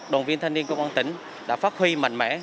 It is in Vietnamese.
đoàn viên thanh niên công an tỉnh đã phát huy mạnh mẽ